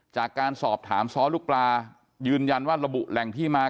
จากการสอบถามซ้อลูกปลายืนยันว่าระบุแหล่งที่มา